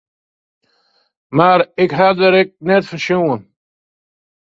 Mear ha ik dêr ek net fan sjoen.